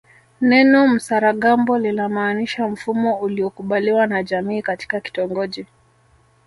Neno msaragambo linamaanisha mfumo uliokubaliwa na jamii katika kitongoji